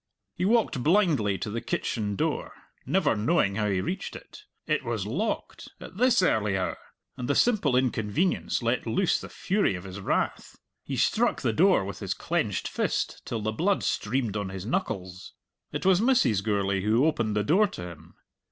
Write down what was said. He walked blindly to the kitchen door, never knowing how he reached it. It was locked at this early hour! and the simple inconvenience let loose the fury of his wrath. He struck the door with his clenched fist till the blood streamed on his knuckles. It was Mrs. Gourlay who opened the door to him.